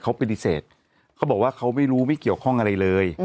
เขาปฏิเสธเขาบอกว่าเขาไม่รู้ไม่เกี่ยวข้องอะไรเลย